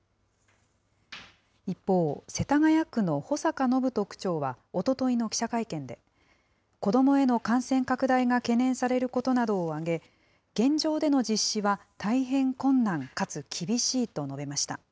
一方、世田谷区の保坂展人区長はおとといの記者会見で、子どもへの感染拡大が懸念されることなどを挙げ、現状での実施は大変困難かつ厳しいと述べました。